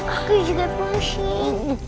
aku juga pusing